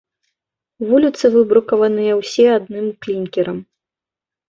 Вуліцы выбрукаваны ўсе адным клінкерам.